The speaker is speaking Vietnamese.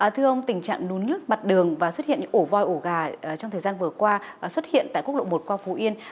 thưa ông tình trạng núi nước mặt đường và xuất hiện ổ voi ổ gà trong thời gian vừa qua xuất hiện tại quốc lộ một qua phú yên